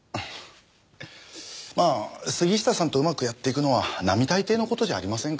まあ杉下さんとうまくやっていくのは並大抵の事じゃありませんから。